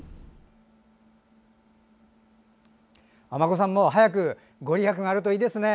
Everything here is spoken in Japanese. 尼子さんも早く御利益があるといいですね。